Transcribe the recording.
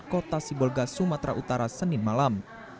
kota sibolga sumatera utara senin malam